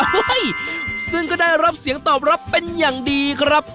เฮ้ยซึ่งก็ได้รับเสียงตอบรับเป็นอย่างดีครับ